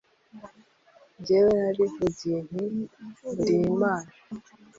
Jyewe narivugiye nti ’Muri imana